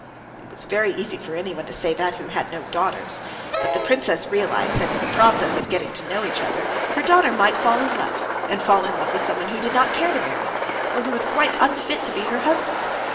It was very easy for anyone to say that who had no daughters, but the princess realized that in the process of getting to know each other, her daughter might fall in love, and fall in love with someone who did not care to marry her or who was quite unfit to be her husband.